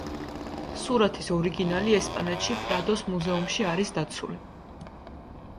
სურათის ორიგინალი ესპანეთში პრადოს მუზეუმში არის დაცული.